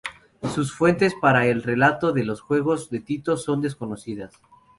Sus fuentes para el relato de los juegos de Tito son desconocidas.